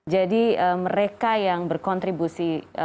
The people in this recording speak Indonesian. jadi mereka yang berkontribusi